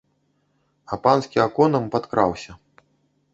А панскі аконам падкраўся.